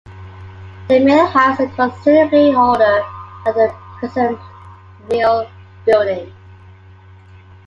The mill house is considerably older than the present mill building.